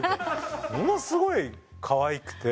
ものすごいかわいくて。